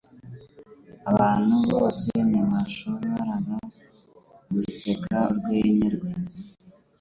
Abantu bose ntibashoboraga guseka urwenya rwe.